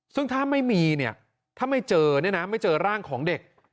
ซึ่งถ้าไม่มีเนี่ยถ้าไม่เจอเนี่ยนะไม่เจอร่างของเด็ก